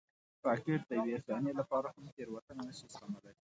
راکټ د یوې ثانیې لپاره هم تېروتنه نه شي زغملی